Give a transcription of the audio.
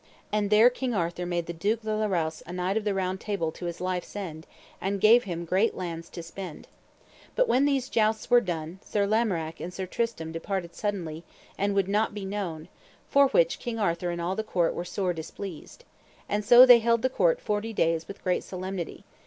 And there King Arthur made the Duke de la Rowse a Knight of the Round Table to his life's end, and gave him great lands to spend. But when these jousts were done, Sir Lamorak and Sir Tristram departed suddenly, and would not be known, for the which King Arthur and all the court were sore displeased. And so they held the court forty days with great solemnity.